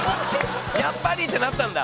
やっぱりってなったんだ？